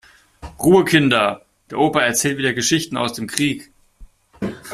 Ruhe Kinder, der Opa erzählt wieder Geschichten aus dem Krieg.